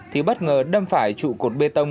thì bất ngờ đâm phải trụ cột bê tông